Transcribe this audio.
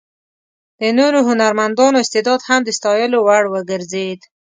د نورو هنرمندانو استعداد هم د ستایلو وړ وګرځېد.